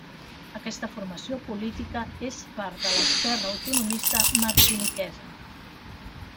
Aquesta formació política és part de l'esquerra autonomista martiniquesa.